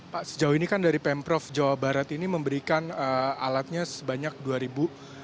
pak sejauh ini kan dari pemprov jawa barat ini memberikan alatnya sebanyak dua ratus